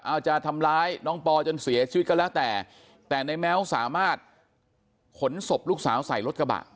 เอาจะทำร้ายน้องปอจนเสียชีวิตก็แล้วแต่แต่ในแม้วสามารถขนศพลูกสาวใส่รถกระบะ